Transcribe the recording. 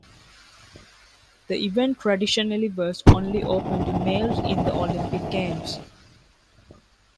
The event traditionally was only open to males in the Olympic Games.